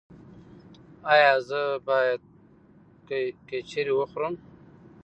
ایا زه باید کیچړي وخورم؟